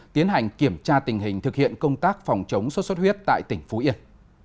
tiến hành kiểm tra tình hình thực hiện công tác phòng chống sốt xuất huyết tại tỉnh phú yên